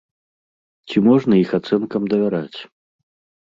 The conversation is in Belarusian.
Ці можна іх ацэнкам давяраць?